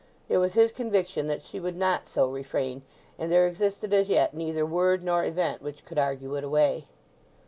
It was his conviction that she would not so refrain; and there existed as yet neither word nor event which could argue it away.